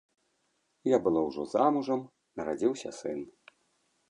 Я была ўжо замужам, нарадзіўся сын.